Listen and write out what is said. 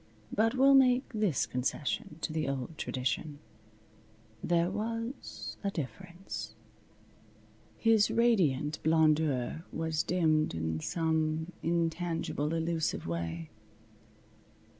But we'll make this concession to the old tradition. There was a difference. His radiant blondeur was dimmed in some intangible, elusive way.